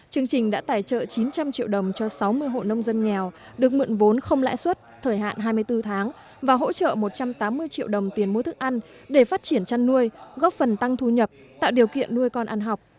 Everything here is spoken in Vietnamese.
chương trình đã tài trợ chín trăm linh triệu đồng cho sáu mươi hộ nông dân nghèo được mượn vốn không lãi suất thời hạn hai mươi bốn tháng và hỗ trợ một trăm tám mươi triệu đồng tiền mua thức ăn để phát triển chăn nuôi góp phần tăng thu nhập tạo điều kiện nuôi con ăn học